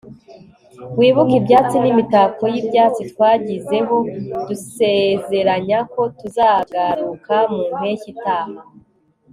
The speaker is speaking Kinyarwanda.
wibuke ibyatsi n'imitako y'ibyatsi twashyizeho dusezeranya ko tuzagaruka mu mpeshyi itaha